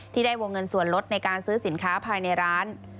ได้วงเงินส่วนลดในการซื้อสินค้าภายในร้าน